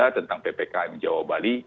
enam puluh tiga tentang ppkm jawa bali